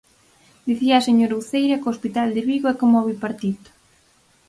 Dicía a señora Uceira que o hospital de Vigo é coma o Bipartito.